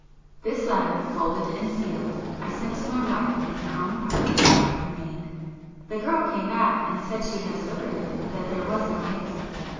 This letter, folded and sealed, I sent to my wife in her own apartments by her maid,—the girl came back and said she had delivered it, but that there was no answer.